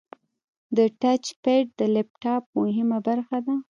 د ټچ پیډ د لپټاپ مهمه برخه ده.